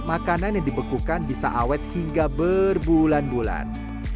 makanan yang dibekukan bisa awet hingga berbulan bulan